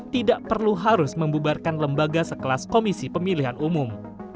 tidak perlu harus membubarkan lembaga sekelas komisi pemilihan umum